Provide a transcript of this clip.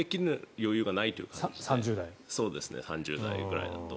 そうですね３０代くらいだと。